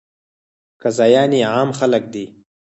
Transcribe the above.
قاضیان یې عام خلک دي.